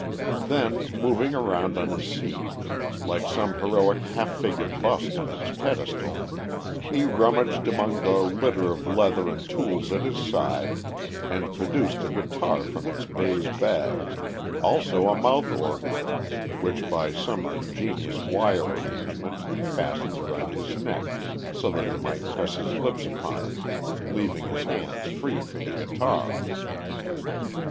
Then, moving around on his seat, like some heroic half figure bust on its pedestal, he rummaged among the litter of leather and tools at his side, and produced a guitar from its baize bag, also a mouth organ, which by some ingenious wire arrangement he fastened around his neck, so that he might press his lips upon it, leaving his hands free for the guitar.